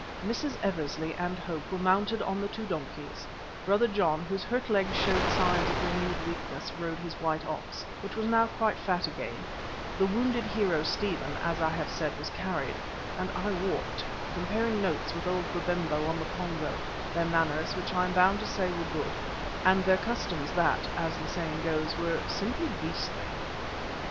Mrs. Eversley and Hope were mounted on the two donkeys; Brother John, whose hurt leg showed signs of renewed weakness, rode his white ox, which was now quite fat again; the wounded hero, Stephen, as I have said, was carried; and I walked, comparing notes with old Babemba on the Pongo, their manners, which I am bound to say were good, and their customs, that, as the saying goes, were "simply beastly."